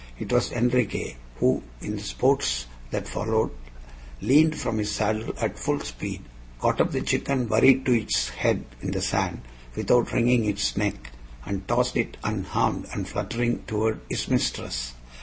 It was Enriquez who, in the sports that followed, leaned from his saddle at full speed, caught up the chicken buried to its head in the sand, without wringing its neck, and tossed it unharmed and fluttering toward his mistress.